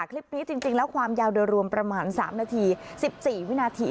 คลิปนี้จริงแล้วความยาวโดยรวมประมาณ๓นาที๑๔วินาที